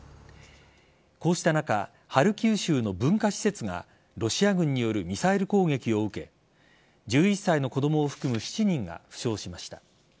こうした中ハルキウ州の文化施設がロシア軍によるミサイル攻撃を受け１１歳の子供を含む７人が負傷しました。